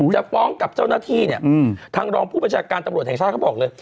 จะฟ้องกับเจ้าหน้าที่เนี่ยทางรองผู้ประชาการตำรวจแห่งชาติเขาบอกเลย